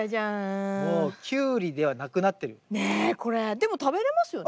でも食べれますよね？